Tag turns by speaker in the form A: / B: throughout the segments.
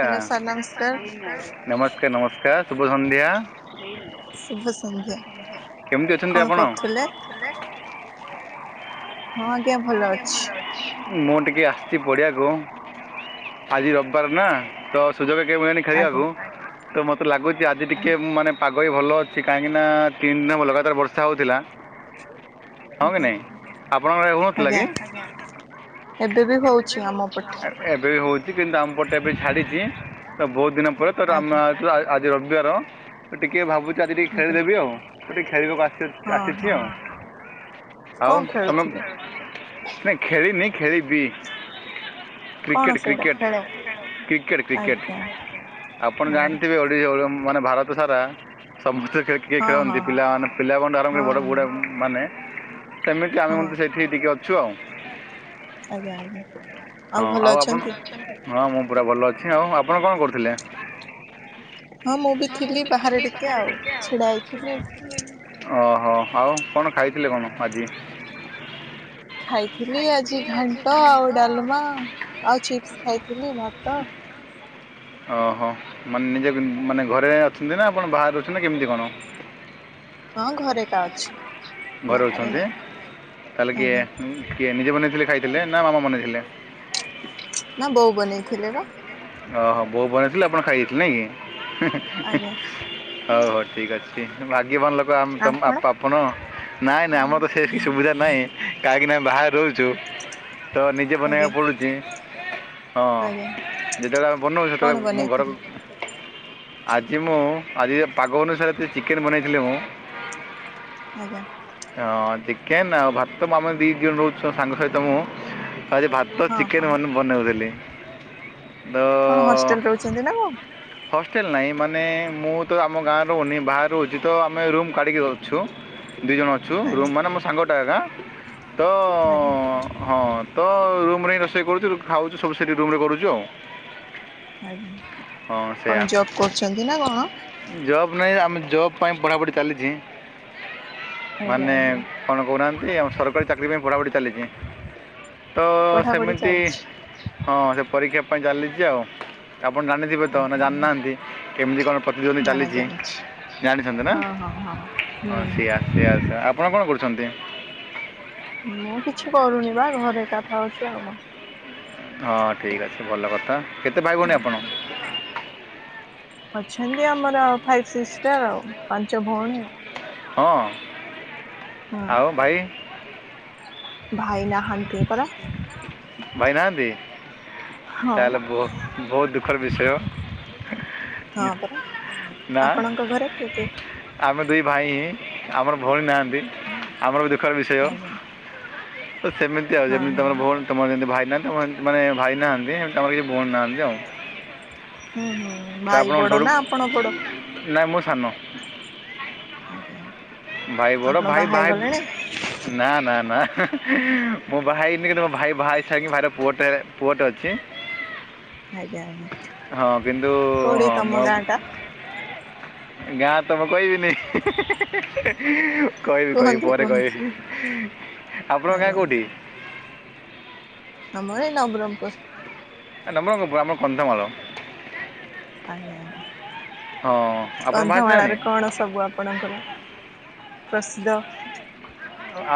A: Hello sir ନମସ୍କାର
B: ନମସ୍କାର ନମସ୍କାର, ଶୁଭ ସନ୍ଧ୍ୟା।
A: ଶୁଭ ସଂନ୍ଧ୍ୟା।
B: କେମିତି ଅଛନ୍ତି ଆପଣ?
A: ହଁ ଆଜ୍ଞା ଭଲ ଅଛି।
B: ମୁଁ ଟିକିେ ଆସିଛି ପଡ଼ିିଆକୁ ଆଜି ରବିବାର ନା ତ ସୁଯୋଗ କେ
A: ଆଜ୍ଞା
B: ଖେଳିବାକୁ ତ ମତେ ଲାଗୁଛି ଆଜି ଟିକେ
A: ଆଜ୍ଞା
B: ମାନେ ପାଗ ବି ଭଲ ଅଛି କାହିଁକି ନା ତିନି ଦିନ ହେବ ଲଗାତାର ବର୍ଷା ହେଉଥିଲା। ହଁ କି
A: ଆଜ୍ଞା
B: ନାଇଁ ଆପଣଙ୍କ ଆରେ ହଉନଥିଲା
A: ଆଜ୍ଞା
B: କି?
A: ଏବେ ବି ହଉଛି ଆମ ପଟେ।
B: ଏବେ ହଉଛି କିନ୍ତୁ ଆମ ପଟେ ଏବେ ଛାଡିଛି ତ ବହୁତ ଦିନ ପରେ ତ ଆ
A: ଆଜ୍ଞା
B: ଆଜି ରବିବାର ମୁ ଟିକେ ଭାବୁଛି ଆଜି ଟିକେ
A: ଆଜ୍ଞା
B: ଖେଳିଦେବି ଆଉ ମୁଁ ଟିକେ ଖେଳିବାକୁ ଆସି
A: ହଁ
B: ଆସିଛି
A: ହଁ
B: ଆ ଆଉ
A: କଣ
B: ତମେ
A: ଖେଳୁଥିଲେ?
B: ନାଇଁ ଖେଳିିନି ଖେଳିବି।
A: କଣ
B: କ୍ରିକେଟ
A: ସେଇଟା
B: କ୍ରିକେଟ
A: ଖେଳ
B: କ୍ରିକେଟ କ୍ରିକେଟ
A: ଆଜ୍ଞା
B: ଆପଣ
A: ଆଜ୍ଞା
B: ଜାଣିଥିବେ ମାନେ ଭାରତ ସାରା ସମସ୍ତେ କିଏ
A: ହଁ
B: ଖେଳନ୍ତି
A: ହଁ
B: ପିଲା ମାନେ ପିଲା ଆରମ୍ଭ କରି
A: ହଁ
B: ବଡ଼ ବୁଡ଼ା
A: ହଁ
B: ମାନେ ସେମିତି ଆମେ
A: ହଁ
B: ମାନେ ସେଇଠି ଟିକି ଅଛୁ ଆଉ।
A: ଆଜ୍ଞା ଆଜ୍ଞା।
B: ହଁ
A: ଭଲ
B: ଆଉ ଆପଣ?
A: ଅଛନ୍ତି?
B: ହଁ ମୁଁ ପୁରା ଭଲ ଅଛି ଆଉ ଆପଣ କଣ କରୁଥିଲେ?
A: ବି
B: ହଁ ମୁଁ
A: ଥିଲି ବାହାରେ
B: ଦେଖିଥିଲି ପାଖରେ ଟିକେ ଆଉ
A: ଛିଡା ହେଇଥିଲି।
B: ଛିଡା ଓହୋ ଆଉ କଣ ଖାଇଥିଲେ କଣ ଆଜି?
A: ଖାଇଥିଲି ଆଜି ଘାଣ୍ଟ ଆଉ ଡାଲମା ଆଉ ଚିପ୍ସ ଖାଇଥିଲି ଭାତ
B: ଓହୋ ମାନେ ନିଜେ ମାନେ ଘରେ ଅଛନ୍ତି ନା ଆପଣ ବାହାରୁ ଅଛନ୍ତି ନା କେମିତି କଣ?
A: ହଁ ଘରେ ଏକା ଅଛି
B: ଘରେ
A: ବାହାରେ
B: ଅଛନ୍ତି
A: ନାହିଁ
B: ତାହେଲେ କି
A: ଆଜ୍ଞା
B: କିଏ ନିଜେ ବନେଇଥିଲେ ଖାଇଥିଲେ ନା ମାମା ବନେଇଥିଲେ?
A: ନା ବୋଉ ବନେଇଥିଲେ ବା।
B: ଓହୋ ବୋଉ ବନେଇଥିଲେ ଆପଣ ଖାଇ ଦେଇଥିଲେ ନାଇଁ
A: ଆଜ୍ଞା
B: କି ହଉ ହଉ ଠିକ ଅଛି। ଭାଗ୍ୟବାନ ଲୋକ ଆପଣ ନାଇଁ ନାଇଁ ଆମର ତ ସେ ସୁବିଧା ନାହିଁ କାହିଁକି ନା ଆମ ବାହାର ରହୁଛୁ। ତ ନିଜେ
A: ଆଜ୍ଞା
B: ବନେଇବାକୁ ପଡୁଛି ହଁ
A: ଆଜ୍ଞା
B: ଯେତେବେଳେ ଆମେ ବନାଉ ସେତେବେଳେ
A: କଣ
B: ମୁଁ ଘର
A: ବନେଇଥିଲେ
B: ଆଜି, ମୁଁ ଆଜି ପାଗ ଅନୁସାରେ ଚିକେନ ବନେଇଥିଲେ। ମୁଁ
A: ଆଜ୍ଞା।
B: ହଁ ଚିକେନ ଆଉ ଭାତ ଆମେ ଦି ଜଣ ରହୁଛ। ସାଙ୍ଗ ସହିତ ମୁଁ ଆ ଭ ତ
A: ହଁ
B: ଚିକେନ
A: ହଁ
B: ବନଉଥିଲି ତ
A: କଣ ହଷ୍ଟେଲରେ ରହୁଛନ୍ତି ନା କୋଉ
B: ହଷ୍ଟେଲ ନାହିଁ ମାନେ ମୁଁ ତ ଆମ ଗାଁ ରହୁନି ବାହ ରହୁଛି ତ ଆମେ ରୁମ କାଢ଼ିକି ଯାଉଛୁ। ଦୁଇ ଜଣ ଅଛୁ
A: ଆଜ୍ଞା
B: ରୁମ୍ ମାନେ ମୋ ସାଙ୍ଗଟା ଆଜ୍ଞା ତ
A: ଆଜ୍ଞା
B: ହଁ ତ ରୁମ୍ ହିଁ ରୋଷେଇ କରୁଛୁ ଖାଉଛୁ ସବୁ ସେଇଠି ରୁମ୍ ରେ କରୁଛୁ ଆଉ
A: ଆଜ୍ଞା
B: ହଁ ସେଇଆ
A: କଣ ଜବ୍ କରୁଛନ୍ତି ନା କଣ
B: ଜବ୍ ନାହିଁ ଆମେ ଜବ୍ ପାଇଁ ପଢ଼ାପଢ଼ି ଚାଲିଛି
A: ଆଜ୍ଞା
B: ମାନେ
A: ଆଜ୍ଞା
B: କଣ କହୁନାହାନ୍ତି ଆମ ସରକାରୀ ଚାକିରି ପାଇଁ ପଢ଼ାପଢ଼ି ଚାଲିଛି। ତ
A: ପଢ଼ାପଢ଼ି
B: ସେମିତି
A: ଚାଲିଛି
B: ହଁ ସେ ପରୀକ୍ଷା ପାଇଁ ଚାଲିଛି ଆଉ ଆପଣ ଜାଣି ବେ ତ ନା
A: ଆଜ୍ଞା ଆଜ୍ଞା
B: ଜାଣିନାହାନ୍ତି। କେମିତି କଣ ପ୍ରତିଯୋଗୀ
A: ନା ନା
B: ଚାଲିଛି
A: ଜାଣିଛି
B: ଜାଣିଛନ୍ତି ନା
A: ହଁ ହଁ ହଁ ହୁଁ
B: ହ ସେଇଆ ସେଇଆ ସା। ଆପଣ କଣ କରୁଛନ୍ତି?
A: ମୁଁ କିଛି କରୁନି ବା ଘରେ କଥା ହୋଉଛି ଆଉ କଣ।
B: ହଁ ଠିକ୍ ଅଛି ଭଲ କଥା କେତେଭାଇ ଭଉଣି
A: କଣ
B: ଆପଣ?
A: ଅଛନ୍ତି ଆମର ଫାଇଭ୍ ସିଷ୍ଟର ଆଉ, ପାଞ୍ଚ ଭଉଣୀ ଆଉ।
B: ହଁ ଆଉ
A: ହଁ
B: ଭାଇ।
A: ଭାଇ ନାହାନ୍ତି ପରା।
B: ଭାଇ ନାହାନ୍ତି
A: ହଁ
B: ତାହଲେ ବହୁ ବହୁ ଦୁଃଖର ବିଷୟ। ହୁଁ
A: ହଁ ପରା
B: ନା।
A: ଆପଣଙ୍କ ଘରେ କିଏ କିଏ
B: ଆମେ ଦୁଇ ଭାଇ ହିଁ ଆମର ଭଉଣୀ ନାହାନ୍ତି। ଆମର ବି ଦୁଃଖର ବିଷୟ
A: ଆଜ୍ଞା
B: ସେମିତି ଆଉ
A: ହଁ
B: ଯେମିତି
A: ହଁ
B: ତମର ଭଉ ତମର ଯେମିତି ଭାଇ ନାହାନ୍ତି। ତା ମାନେ ଭାଇ ନାହାନ୍ତିି ଆମର କିଛି ଭଉଣି ନାହାନ୍ତି ଆଉ।
A: ହଁ ହଁ।
B: ତ ଆପଣ କଣ ସବୁଠୁ ନା ମୁଁ ସାନ।
A: ଆଜ୍ଞା ଆଜ୍ଞା।
B: ଭାଇ ବଡ଼
A: ଆପଣ
B: ଭାଇ
A: ବାହା
B: ବାହ
A: ହେଇଗଲେଣି
B: ନା ନା ନା ମୁଁ ବାହା ହେଇନି କିନ୍ତୁ ମୋ ଭାଇ ବାହା ହେଇ ସାରିକି ଭାଇ ର ପୁଅଟେ ପୁଅଟେ ଅଛି।
A: ଆଜ୍ଞା।
B: ହଁ କିନ୍ତୁ
A: କୋଉଠି
B: ହଁ
A: ତମ
B: ମୁଁ
A: ଗାଁ ଟା?
B: ଗାଁ ତ ମୁଁ କହିବିନି। କହିବି କହିବି
A: କୁହନ୍ତୁ
B: ପରେ
A: କୁହନ୍ତୁ
B: କହିବି। ଆପଣଙ୍କ ଗାଁ
A: ଆଜ୍ଞା ଆଜ୍ଞା
B: କୋଉଠି?
A: ଆମର ଏଇ ନବରଙ୍ଗପୁର।
B: ନବରଙ୍ଗପୁର ଆମର କନ୍ଧମାଳ।
A: ଆଜ୍ଞା ଆଜ୍ଞା
B: ହଁ ଆପଣ ବାହା ହେଇସାରିଲେଣି
A: କନ୍ଧମାଳାରେ କଣ ସବୁ ଆ ଆପଣଙ୍କର ପ୍ରସିଦ୍ଧ?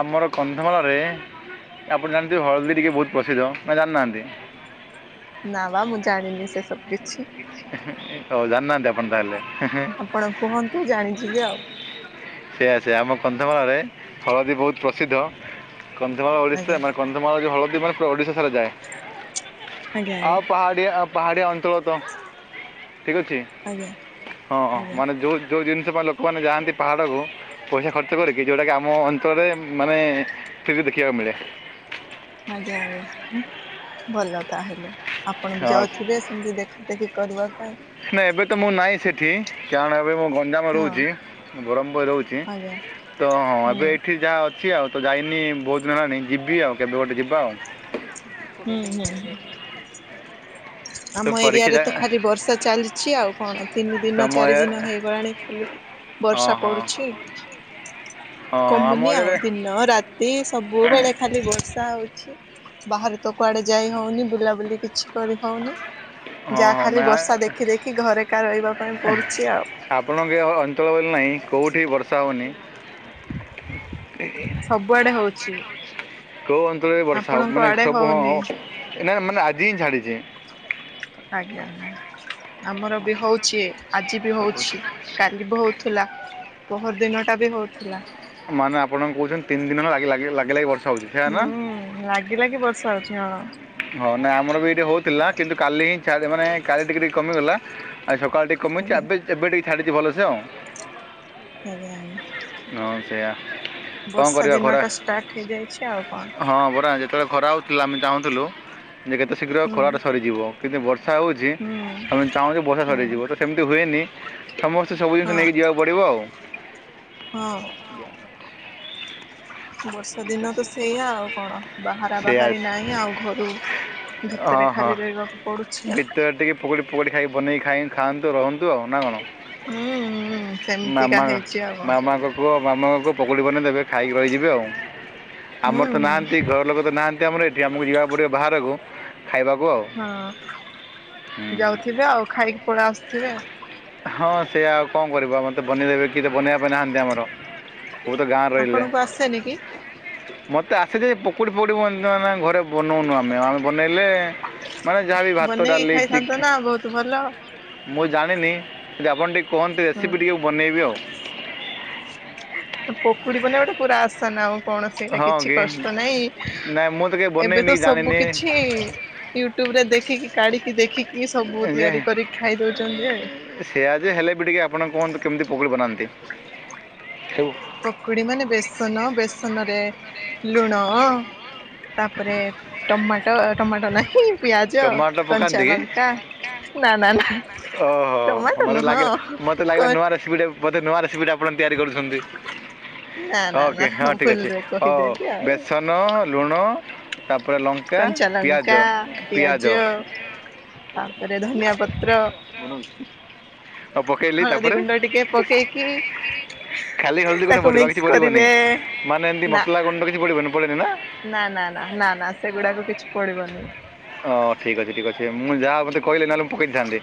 B: ଆମର କନ୍ଧମାଳରେ ଆପଣ ଜାଣିଥିବେ ହଳଦୀ ଟିକେ ବହୁତ ପ୍ରସିଦ୍ଧ ନା ଜାଣିନାହାନ୍ତି।
A: ନା ବା ମୁଁ ଜାଣିନି ସେ ସବୁ କିଛି।
B: ହଉ ଯାଣିନାହାନ୍ତି ଆପଣ ତାହଲେ।
A: ଆପଣ କୁହନ୍ତୁ ଜାଣିଯିବି ଆଉ।
B: ସେଇଆ ସେଇଆ ଆମ କନ୍ଧମାଳରେ ହଳଦୀ ବହୁତ ପ୍ରସିଦ୍ଧ। କନ୍ଧମାଳ ଓଡ଼ିଶା
A: ଆଜ୍ଞା।
B: ମାନେ କ ନ୍ଧମାଳ ଯୋଉ ହଳଦୀ ମାନେ ପୁରା ଓଡିଶାସାରା ଯାଏ।
A: ଆଜ୍ଞା
B: ଆଉ
A: ଆଜ୍ଞା
B: ପହାଡ଼ିଆ ଆ ପାହାଡ଼ିଆ ଅଞ୍ଚଳ ତ ଠିକ୍ ଅଛି।
A: ଆଜ୍ଞା
B: ହଁ ହଁ
A: ଆଜ୍ଞା
B: ମାନେ ଯେଉଁ ଯଉ ଜିନିଷ ପାଇଁ ଲୋକମାନେ ଯାଆନ୍ତି ପାହାଡ଼କୁ ପଇସା ଖର୍ଚ୍ଚ କରିକି ଯେଉଁଟାକି ଆମ ଅଞ୍ଚଳରେ ମାନେ ଫ୍ରି ରେ ଦେଖିବାକୁ ମିଳେ।
A: ଆଜ୍ଞା ଆଜ୍ଞା ଭଲ ତାହେଲେ ଆପଣ ବି
B: ହଁ
A: ଯାଉଥିବେ। ସେମତି ଦେଖା ଦେଖି କରିବା ପାଇଁ।
B: ନା ଏବେ ତ ମୁଁ ନାଇଁ ସେଠି କାରଣ ଏବେ ମୁଁ ନ୍ଦାମ
A: ହଁ
B: ରହୁଛି ବରହମପୁରରେ ରହୁଛି
A: ଆଜ୍ଞା
B: ତ ହଁ
A: ହୁଁ
B: ଏବେ ଏଇଠି ଯାହା ଅଛି ଆଉ। ତ ଯାଇନି ବହୁତ ଦିନ ହେଲାଣି ଯିବି ଆଉ କେବେ ଗୋଟେ ଯିବା ଆଉ।
A: ହୁଁ ହୁଁ ହୁଁ।
B: ତ
A: ଆମ
B: ପରୀକ୍ଷା
A: ଏରିଆରେ
B: ଯା
A: ତ ଖାଲି ବର୍ଷା ଚାଲିଛି ଆଉ କଣ ତିନି ଦିନ
B: ତମ
A: ଚାରି
B: ଏ
A: ଦିନ ହେଇଗଲାଣି ଖାଲି
B: ହଁ
A: ବର୍ଷା
B: ହଁ
A: ପଡୁଛି।
B: ହଁ ଆମ
A: କମୁନି
B: ଏରିଆରେ
A: ଆଉ ଦିନ ରାତି ସବୁବେଳେ ଖାଲି ବର୍ଷା ହେଉଛି। ବାହାରେ ତ କୁଆଡ଼େ ଯାଇ ହେଉନି ବୁଲାବୁଲି କିଛି କରିହଉନି।
B: ହଁ
A: ଯାହା
B: ହଁ
A: ଖାଲି
B: ନା
A: ବର୍ଷା ଦେଖି ଦେଖି ଘରେକା ରହିବା ପାଇଁ ପଡୁଛି ଆଉ।
B: ଆପଣଙ୍କ ଅଞ୍ଚଳ ବୋଲି ନାହିଁ କେଉଁଠି ବର୍ଷା ହେଉନି।
A: ସବୁଆଡେ ହଉଛି।
B: କୋଉ ଅଞ୍ଚଳରେ ବର୍ଷା ହବ
A: ଆପଣଙ୍କ
B: ମାନେ
A: ଆଡେ
B: ସବୁ ହଁ
A: ହଉନି
B: ହ ନା ମାନେ ଆଜି ହିଁ ଛାଡିଛି।
A: ଆଜ୍ଞା। ଆମର ବି ହଉଛି, ଆଜି ବି
B: ସବୁ
A: ହଉଛି କାଲି ବି ହଉଛି। ଥିଲା। ବହର ଦିନ ଟା ବି ହଉଥିଲା।
B: ମାନେ ଆପଣଙ୍କୁ କହୁଛନ୍ତି ତିନି ଦିନ ହେଲା ଲାଗିଲ ଲାଗି ବର୍ଷା ହଉଛି।
A: ହୁଁ। ଲାଗି ଲାଗି ବର୍ଷା ହଉଛି ହଁ।
B: ହଁ ନା ଆମର ବି ଏଇଠି ହଉଥିଲା କିନ୍ତୁ କାଲି ହିଁ ମାନେ କାଲି ଟିକେ ଟିକେ କମିଗଲା ଆଉ ସକାଳ ଟିକେ କମିଛି
A: ଆଜ୍ଞା।
B: ଏବେ, ଏବେ ଟିକେ ଛାଡିଛି ଭଲସେ ଆଉ
A: ଆ୍ଞା ଆ
B: ନ ସେ
A: ବର୍ଷା ଦିନ ଟା ଷ୍ଟାର୍ଟ ହେଇଯାଇଛି ଆଉ କଣ?
B: ହଁ ବରା ଯେତେବେଳେ ଖରା ହେଉଥିଲା ଆମେ ଚାହୁଁଥିଲୁ ଯେ କେତେ ଶୀଘ୍ର
A: ହୁଁ
B: ଖରାଟା ସରିଯିବ କିନ୍ତୁ ବର୍ଷା ହେଉଛି
A: ହୁଁ
B: ଆମେ ଚାହୁଁଛ ବର୍ଷା
A: ହୁଁ
B: ସରିଯିବ ତ ସେମିତି ହୁଏନି ସମସ୍ତେ ସବୁ ଜିନିଷ
A: ହଁ
B: ନେଇକି ଯିବାକୁ ପଡ଼ିବ ଆଉ
A: ହଁ। ବର୍ଷା ଦିନ ତ ସେଇଆ ଆଉ କଣ ବାହାରା
B: ସେଇଆ
A: ବାହାରି ନାହିଁ ଆଉ ଘରୁ ଭିତରେ
B: ହଁ
A: ଖାଲି ରହିବାକୁ ପଡୁଛି ଆ
B: ପୋଡ଼ି ପୋଡ଼ି ଖାଇକ ବନେଇକ ଖାଇ ଖାଆନ୍ତୁହନ୍ତୁ ଆଉ ନା କଣ?
A: ହୁଁ ହୁଁ ସେମିତିକା
B: ମାମା
A: ହେଇଛି ଆଉ କଣ
B: ମାମା କ ପୁଅ ମାମାଙ୍କୁକ ପକୁଡି ବନେଇ ଦେବେ ଖାଇକି ରହିଯିବେ ଆଉ
A: ହୁଁ
B: ଆମର ତ
A: ହୁଁ
B: ନାହାନ୍ତି ଘର ଲୋକ ତ ନାହାନ୍ତି ଆମର ଏଠି, ଆମକୁ ଯିବାକୁ ପଡ଼ିବ ବାହାରକୁ ଖାଇବାକୁ ଆଉ
A: ହଁ ଯାଉଥିବେ, ଆଉ ଖାଇକି ପଳେଇ ଆସୁଥିବେ ଆଉ
B: ହଁ ସେଆ ଆଉ କଣ କରିବୁ ଆମର ତ ବନେଇଦେବେ କି ବନେଇବା ପାଇଁ ନାହାନ୍ତି ଆମର। ମୁଁ ତ ଗାଁରେ ରହିଲେ।
A: ଆପଣଙ୍କୁ ଆସେନି କି
B: ମୋତେ ଆସେ ଯେ ପକୁଡ଼ି ଫକୁଡ଼ି ମ ଘରେ ବନଉନୁ ଆମେ ଆମେ ବନେଇଲେ ମାନେ ଯାହାବି ଭାତ
A: ବନେଇକି
B: ଡାଲି ଚିକ୍
A: ଖାଇଥାନ୍ତ ନା ବହୁତ ଭଲ
B: ମୁଁ ଜାଣିନି, ଯଦି ଆପଣ ଟିକେ କୁହନ୍ତି
A: ହଁ
B: ରେସିପି ଟିକେ ବନେଇବି ଆଉ।
A: ପୋକୁଡି ବନେଇ ବାଟା ପୁରା ଆସନ ଆଉ କୌଣସି
B: ହଁ
A: କିଛି
B: କି
A: କଷ୍ଟ ନାହିଁ।
B: ନାଇଁ ମୁଁ ତ କେବେ
A: ଏବେ
B: ବନେଇନି
A: ତ
B: କି
A: ସବୁ
B: ଜାଣିନି
A: କିଛି ୟୁଟ୍ୟୁବ ରେ ଦେଖିକି କାଢିକି ଦେଖିକି ସବୁ
B: ଯେ
A: ତିଆରି କରିକି ଖାଇ ଦଉଛନ୍ତି ଆ
B: ସେଆ ଯେ ହେଲେ ବି ଟିକେ ଆପଣ କୁହନ୍ତୁ କେମିତି ପକୁଡ଼ି ବନାନ୍ତି ହେ
A: ପକୁଡି ମାନେ ବେସନ, ବେସନ ରେ ଲୁଣ ତାପରେ ଟମାଟୋ, ଟମାଟୋ ନାହିଁ ପିଆଜ,
B: ଟମାଟୋ
A: କଞ୍ଚା
B: ପକାନ୍ତି କି
A: ଲଙ୍କା ନା ନା ନା
B: ଓହୋ
A: ଟମାଟୋ
B: ମୋତେ
A: ନୁହଁ
B: ଲାଗିଲା ମୋତେ ଲାଗିଲା ନୂଆ
A: କଣ
B: ରେସିପିଟେ ବୋଧେ ନୂଆ ରେସିପି ଟା ଆପଣ ତିଆରି କରୁଛନ୍ତି।
A: ନା ନା
B: ଓକେ,
A: ନା
B: ହଁ ଠିକ୍ ଅଛି
A: ଭୁଲରେ
B: ହଉ
A: କହିଦେଲି ଆଉ।
B: ବେସନ ଲୁଣ ତାପରେ ଲଙ୍କା,
A: କଞ୍ଚା ଲଙ୍କା
B: ପିଆଜ
A: ପିଆଜ ତାପରେ ଧନିଆ ପତ୍ର
B: ହୁଁ ଆଉ ପକେଇଲି
A: ହଳଦୀ
B: ତାପରେ
A: ଗୁଣ୍ଡ ଟିକେ ପକେଇକି
B: ଖାଲି ହଳଦୀ ଗୁଣ୍ଡ
A: ତାକୁ
B: ପଡ଼ିବ ଆଉ
A: ମିକ୍ସ
B: କିଛି ପଡ଼ିବନି
A: କରିବେ
B: ମାନେ ଏମିତି
A: ନା
B: ମସଲା ଗୁଣ୍ଡ କିଛି ପଡ଼ିବନି ପଡ଼େ ନି ନା?
A: ନା ନା ନା ନା ନା ସେଗୁଡ଼ାକ କିଛି ପଡ଼ିବନି।
B: ଓଃ ଠିକ୍ ଅଛି ଠିକ୍ ଅଛି ମୁଁ ଯାହା ହଉ ମୋତେ କହିଲେ ନହେଲେ ମୁଁ ପକେଇ ଦେଇଥାନ୍ତି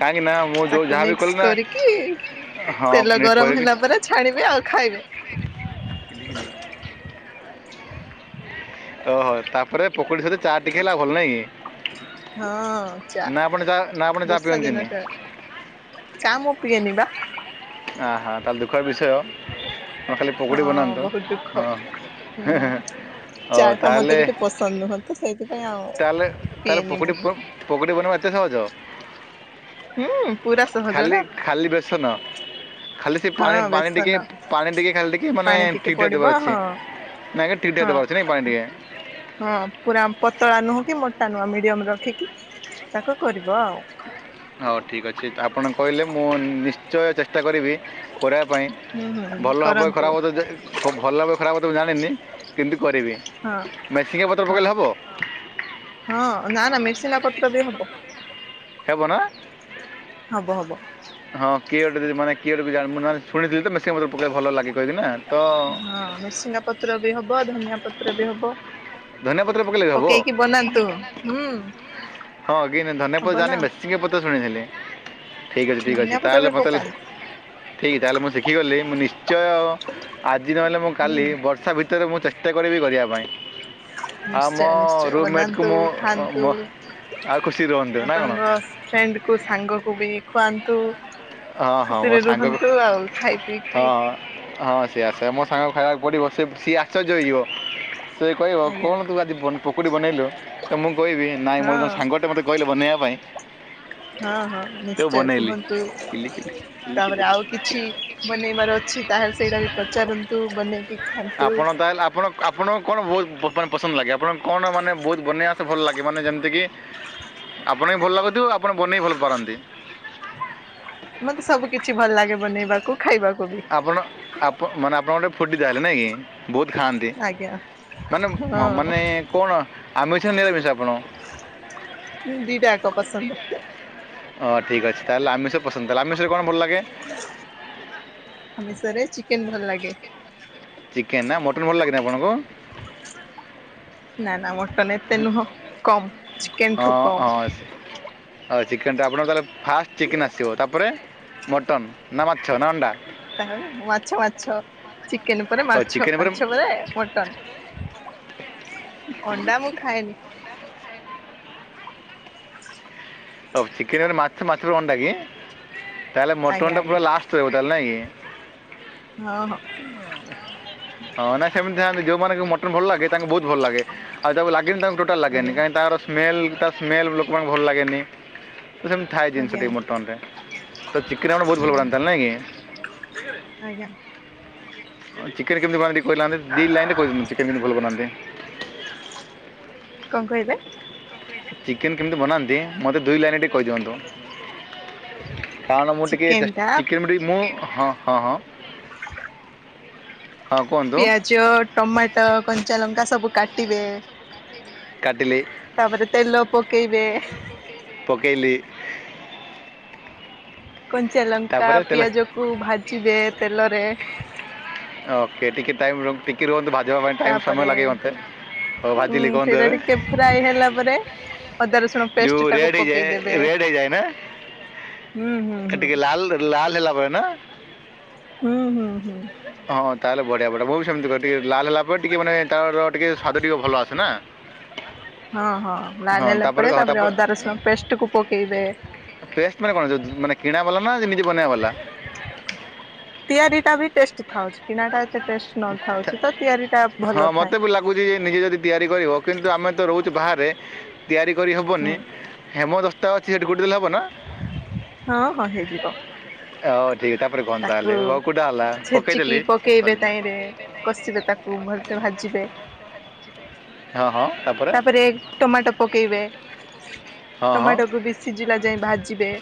B: କାହିଁକି ନା ମୁଁ ଯେଉଁ
A: ତାକୁ
B: ଯାହା ବି
A: ମିକ୍ସ
B: କଲି ନା
A: କରିକି
B: ହଁ
A: ତେଲ ଗରମ ହେଲା ପରେ ଛାଣିବେ ଆଉ ଖାଇବେ।
B: [unintelligible] ଓହୋଃ ତାପରେ ପକୁଡ଼ି ସହିତ ଚା ଟିକେ ହେଲେ ଭଲ ନାଇଁ କି?
A: ହଁ ଚା
B: ନା ଆପଣ ଚା ନା ଆପଣ ଚା
A: ବର୍ଷା
B: ପିଅନ୍ତିନି
A: ଦିନଟା। ଚା ମୁଁ ପିଏନି ବା।
B: ଓହୋଃ ତାହେଲେ ଦୁଃଖର ବିଷୟ। ଖାଲି ପକୁଡ଼ି
A: ହଁ
B: ବନାନ୍ତୁ
A: ବହୁତ ଦୁଃଖ
B: ହଁ ହେଁ ହେଁ
A: ହୁଁ
B: ହେଁ ହ
A: ଚା ଟା ମତେ
B: ତାହେଲେ
A: ଟିକେ ପସନ୍ଦ ନୁହଁ ତ ସେଇଥିପାଇଁ ଆଉ
B: ତାହେଲେ ତାହେଲେ
A: ପିଏନି
B: ପକୁଡ଼ି
A: ମୁଁ।
B: ପକୁଡ଼ି ବନେଇବା ଏତେ ସହଜ
A: ହୁଁ ପୁରା ସହଜ
B: ଖାଲି
A: ନା
B: ଖାଲି ଖାଲି ସେ ପାଣି
A: ହଁ
B: ପାଣି ଟିକେ
A: ବେସନ
B: ପାଣି ଟିକେ ଖାଲି ଟିକେ ମାନେ
A: ପାଣି ଟିକେ
B: ଠିକ ଠାକ୍
A: ପଡିବ
B: ଦେବାର ଅଛି।
A: ହଁ
B: ନାଇଁ ଖାଲି ଠିକ୍ ଠାକ୍
A: ହଁ
B: ଦବାର ଅଛି ପାଣି ଟିକେ?
A: ହଁ ପୁରା ପତଳା ନୁହଁ କି ମୋଟା ନୁହଁ ମିଡି଼ୟମରେ ରଖିକି ତାକୁ କରିବ ଆଉ।
B: ହଉ ଠିକ୍ ଅଛି ଆପଣ ତ କହିଲେ ମୁଁ ନିଶ୍ଚୟ ଚେଷ୍ଟା କରିବି କରିବା ପାଇଁ
A: ହୁଁ ହୁଁ
B: ଭଲ ହବ କି
A: କରନ୍ତୁ
B: ଖରାପ ତ ଭଲ ହବ କି ଖରାପ ହବ ତ ମୁଁ ଜାଣିନି କିନ୍ତୁ କରିବି।
A: ହଁ
B: ମେସିଙ୍ଗା ପତ୍ର
A: ହଁ
B: ପକାଇଲେ ହେବ
A: ହଁ ନା ନା ମିରସିଙ୍ଗା ପତ୍ର ବି ହବ।
B: ହେବ ନା?
A: ହବ ହବ।
B: ହଁ କିଏ ଗୋଟେ ମାନେ କିଏ ମୁଁ ମାନେ ଶୁଣିଥିଲି ତ ମିରସିଙ୍ଗା ପତ୍ର ପକେଇଲେ ଭଲ ଲାଗେ କହିଥିଲେ ନା।
A: ହଁ ମିରସିଙ୍ଗା ପତ୍ର ବି ହବ ଧନିଆ ପତ୍ର ବି ହବ।
B: ଧନିଆ ପତ୍ର ପକାଇଲେ ହେବ
A: ପକେଇକି ବନାନ୍ତୁ ହୁଁ।
B: ହଁ କିନ୍ତୁ ଧନିଆ
A: ହବ
B: ପତ୍ର ଜାଣିନି
A: ନା
B: ମିରସିଙ୍ଗା ପତ୍ର ଶୁଣିଥିଲି। ଠିକ ଅଛି ଠିକ୍ ଅଛି
A: ଧନିଆ ପତ୍ର
B: ତାହେଲେ
A: ବି
B: ମତେ
A: ପକାନ୍ତୁ
B: ଠିକ୍ ତାହେଲେ ମୁଁ ଶିଖି ଗଲି ମୁଁ ନିଶ୍ଚୟ ଆଜି ନହେଲେ ମୁଁ
A: ହୁଁ
B: କାଲି ବର୍ଷା ଭିତରେ ମୁଁ ଚେ ଚେଷ୍ଟା କରିବି କରିବା ପାଇଁ। ଆମ
A: ନିଶ୍ଚୟ ନିଶ୍ଚୟ
B: ରୁମ୍ମେଟ୍କୁ
A: ବନାନ୍ତୁ
B: ମୁଁ
A: ଖାଆନ୍ତୁ।
B: ମୋ- ଆଉ ଖୁସି ରୁହନ୍ତୁ ନା କ'ଣ
A: ଆପଣଙ୍କ ଫ୍ରେଣ୍ଡ କୁ ସାଙ୍ଗ କୁ ବି ଖୁଆନ୍ତୁ।
B: ହଁ ହଁ ମୋ
A: ଖୁସିରେ
B: ସାଙ୍ଗକୁ
A: ରୁହନ୍ତୁ ଆଉ ଖାଇ ପିଇ କିି।
B: ହଁ ହଁ ସେୟା ସେୟା ମୋ ସାଙ୍ଗକୁ ଖାଇବାକୁ ପଡ଼ିବ ସିଏ ସିଏ ଆଶ୍ଚର୍ଯ୍ୟ ହେଇ ଯିବ। ସେ ଯଦି କହିବ
A: ଆଜ୍ଞା
B: କଣ ତୁ ଆଜି ପକୁଡ଼ି ବନେଇଲୁ ତ ମୁଁ କହିବି ନାଇଁ
A: ହଁ
B: ମୋର ଜଣେ ସାଙ୍ଗଟେ ମୋତେ କହିଲେ ବନେଇବା ପାଇଁ
A: ହଁ ହଁ
B: ତ
A: ନିଶ୍ଚୟ
B: ବନେଇଲି
A: କୁହନ୍ତୁ
B: କିଲି କିଲି। କିଲି କିଲି।
A: ତାପରେ ଆଉ କିଛି ବନେଇବାର ଅଛି ତାହେଲେ ସେଇଟା ବି ପଚାରନ୍ତୁ ବନେଇକି ଖାଆନ୍ତୁ।
B: ହଁ ଆପଣ ଆପଣଙ୍କୁ କଣ ବହୁତ ମାନେ ପସନ୍ଦ ଲାଗେ ଆପଣଙ୍କୁ କଣ ମାନେ ବହୁତ ବନେଇ ଆସେ ଭଲ ଲାଗେ ମାନେ ଯେମିତି କି ଆପଣଙ୍କୁ ବି ଭଲ ଲାଗୁଥିବ ଆପଣ ବନେଇବି ଭଲ ପାରନ୍ତି?
A: ମତେ ସବୁ କିଛି ଭଲ ଲାଗେ ବନେଇବାକୁ ଖାଇବାକୁ ବି।
B: ଆପଣ ଆପଣ ମାନେ ଆପଣଙ୍କ ଗୋଟେ ଫୁଡି଼ ତା ହେଲେ ନାଇଁ କି? ବହୁତ ଖାଆନ୍ତି
A: ଆଜ୍ଞା
B: ମାନେ ହଁ ମାନେ କଣ ଆମିଷ ନା ନିରାମିଷ ଆପଣ?
A: ମୁଁ ଦିଇଟା ଯାକ ପସନ୍ଦ।
B: ହଁ ଠିକ ଅଛି ତାହେଲେ ଆମିଷ ପସନ୍ଦ ତାହେଲେ ଆମିଷ ରେ କଣ ଭଲ ଲାଗେ?
A: ଆମିଷରେ ଚିକେନ ଭଲ ଲାଗେ।
B: ଚିକେନ୍ ନା ମଟନ ଭଲ ଲାଗେନି ଆପଣଙ୍କୁ?
A: ନା ନା ମଟନ ଏତେ ନୁହଁ କମ୍ ଚିକେନ ଠୁ କମ୍।
B: ହଉ ଚିକେନ୍ ଟା ଆପଣଙ୍କ ତାହେଲେ ଫାଷ୍ଟ ଚିକେନ୍ ଆସିବ ତାପରେ ମଟନ୍ ନା ମାଛ ନା ଅଣ୍ଡା?
A: ତାପରେ ମାଛ ମାଛ ଚିକେନ ପରେ
B: ହଉ
A: ମାଛ,
B: ଚିକେନ୍
A: ମାଛ ପରେ ମଟନ୍ ଅଣ୍ଡା ମୁଁ ଖାଏନି।
B: ହୋଉ ଚିକେନ ହେନେ ମାଛ ମାଛରୁ ଅଣ୍ଡା କି ତାହେଲେ
A: ଆଜ୍ଞା
B: ମୋଟନଟା
A: ଆଜ୍ଞା।
B: ପୁରା ଲାଷ୍ଟ ଷ୍ଟ ରହିବ ତାହେଲେ ନାଇଁ କି।
A: ହଁ ହଁ।
B: ହୁଁ ହଁ ନାଇଁ ସେମିତି ଥାଆନ୍ତି ଯୋଉମାନଙ୍କୁ ମଟନ୍ ଭଲ ଲାଗେ ତାଙ୍କୁ ବୋହୁତ ଭଲ ଲାଗେ ଆଉ ଯାହାକୁ ଲାଗିନି ତାକୁ ଟୋ ଟାଲ ଲାଗେନି
A: ଆଜ୍ଞା
B: କାହିଁ ତାର ସ୍ମେଲ ତା ସ୍ମେଲ୍ ଲୋକମାନଙ୍କୁ ଭଲ ଲାଗେନି। ତ ସେମିତି ଥାଏ ଜିନିଷ
A: ଆଜ୍ଞା
B: ଟିକେ ମଟନଟା ତ ଚି [unintelligible] ବୋହୁତ ଭଲ
A: ଆଜ୍ଞା
B: ପକାନ୍ତି ତାହାଲେ ନା କି।
A: ଆଜ୍ଞା।
B: ହଁ ଚିକେନ୍ କେମିତି ବନାନ୍ତି ଟିକେ କହିନାହାନ୍ତି ଦି ଲାଇନରେ କହିଦିଅନ୍ତୁ ଚିକେନ କେମିତି ଭଲ ବନାନ୍ତି।
A: କଣ କହିଲେ?
B: ଚିକେନ୍ କେମିତି ବନାନ୍ତି ମତେ ଦୁଇ ଲାଇନରେ ଟିକେ କହିଦିଅନ୍ତୁ। କାରଣ ମୁଁ ଟିକିଏ
A: ଚିକେନ
B: ଚେ
A: ଟା
B: ଚିକେନ ମୁଁ ଟିକେ ମୁଁ ହଁ ହଁ ହଁ। ହଁ କୁହନ୍ତୁ।
A: ଚ ଟମାଟ କଞ୍ଚା ଲଙ୍କା ସବୁ କାଟିବେ
B: କଟିଲି।
A: ତାପରେ ତେଲ ପକେଇବେ।
B: ପକେଇଲି।
A: କଞ୍ଚା ଲଙ୍କା
B: ତାପରେ ତେଲ
A: ପିଆଜକୁ ଭାଜିବେ ତେଲରେ
B: ଓକେ ଟିକିଏ ଟାଇମ୍ ଟିକି ରୁହନ୍ତୁ ଭାଜିବା ପାଇଁ ଟାଇମ୍ ସମୟ
A: ତାପରେ
B: ଲାଗେ ମତେ ହୋଉ
A: ହୁଁ
B: ଭାଜିଲି କୁହନ୍ତୁ
A: ସେଇଟା
B: ଏବେ।
A: ଟିକେ ଫ୍ରାଏ ହେଲା ପରେ ଅଦା ରସୁଣ
B: ଯେଉଁ
A: ପେଷ୍ଟେଟାକୁ
B: ରେଡ୍ ହେଇଯାଏ
A: ପକେଇଦବେ।
B: ଏ ଟିକେ ଲାଲ ଲାଲ ହେଲା ପରେ ନା?
A: ହୁଁ ହୁଁ ହୁଁ।
B: ଅହଁ ତାହେଲେ ବଢିଆ ବଢଆ ମୁଁ ବି ସେମତି କରେ ଟିକେ ଲାଲ ହେଲା ଟିକେ ମାନେ ତାର ଟିକିଏ ସ୍ୱାଦ ଟିକେ ଭଲ ଆସେ ନା।
A: ହଁ ହଁ ଲାଲ ହେଲା ପରେ ତାପରେ ଅଦା ରସୁଣ ପେଷ୍ଟକୁ ପକେଇବେ।
B: ପେଷ୍ଟ ମାନେ କଣ ଯେ ମାନେ କିଣା ବାଲା ନା ଯେମିତି ବନେଇବା ବାଲା?
A: ତିଆରିଟା ବି ଟେଷ୍ଟ ଥାଉଚି କିଣାଟା ଏତେ ଟେଷ୍ଟ ନଥାଉଚି ତ ତିଆରିଟା
B: ହଁ ମତେ ବି ଲାଗୁଚି ଯେ ନିଜେ ଯଦି ତିଆରି କରିବ କିନ୍ତୁ ଆମେ ତ ରହୁଚୁ ବାହାରେ ତିଆରି କରି
A: ହୁଁ
B: ହେବନି ହେମ ଦସ୍ତା ଅଛି ସେଠି କୁଟି ଦେଲେ ହେବନା?
A: ହଁ ହଁ ହେଇଯିବ।
B: ଓ ହୋଉ ଠିକ ତାପରେ କୁହନ୍ତୁ
A: ତାକୁ
B: ତାହେଲେ ହୋଉ କୁଟା ହେଲା
A: ଛେଚିକି
B: ପକେଇଦେଲି
A: ପକେଇବେ ତାହିଁରେ
B: [unintelligible]
A: କଷିବେ ତାକୁ ଭଲସେ ଭାଜିବେ।
B: ହଁ ହଁ ତାପ
A: ତାପରେ ଟମାଟୋ ପକାଇବେ
B: ହଁ ହଁ
A: ଟମାଟୋକୁ ବି ସିଝିଲା ଯାଏ ଭାଜିବେ।